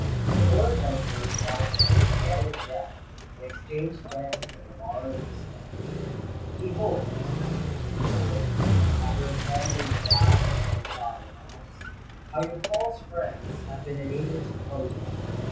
The four adventurers now turned pale as death, and exchanged glances of alarm and dismay. "Behold, Mr. Egerton," said the Prince, after examining the die that had been sawed in halves, "how your false friends have been enabled to plunder you.